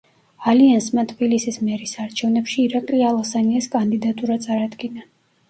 ალიანსმა თბილისის მერის არჩევნებში ირაკლი ალასანიას კანდიდატურა წარადგინა.